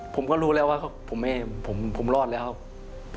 ผมก็รู้แล้วว่าผมรอดแล้วครับ